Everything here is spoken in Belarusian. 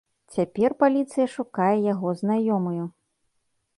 Цяпер паліцыя шукае яго знаёмую.